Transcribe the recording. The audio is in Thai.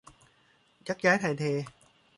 ยักย้ายถ่ายเท